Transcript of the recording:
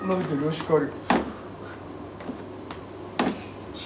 しっかり。